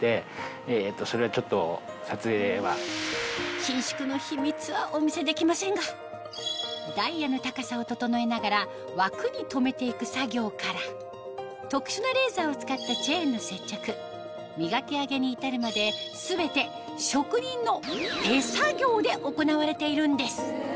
伸縮の秘密はお見せできませんがダイヤの高さを整えながら枠に留めていく作業から特殊なレーザーを使ったチェーンの接着磨き上げに至るまで全て職人の手作業で行われているんです